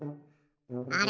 あれ？